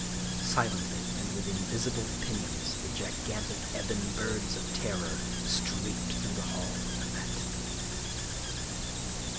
Silently and with invisible pinions the gigantic ebon birds of terror streaked through the hall of the fete.